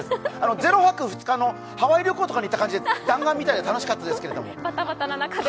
０泊２日のハワイ旅行に行った感じ、弾丸旅行みたいで楽しかったです。